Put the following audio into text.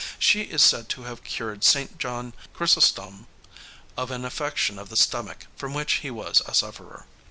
She is said to have cured St. John Chrysostom of an affection of the stomach from which he was a sufferer.